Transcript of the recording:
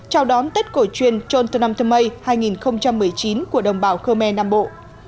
chào đón tết cổ truyền trôn thơ nam thơ mây hai nghìn một mươi chín của đồng bào khơ me nam bộ